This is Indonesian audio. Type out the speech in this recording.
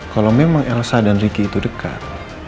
kalau memang elsa dan ricky itu dekat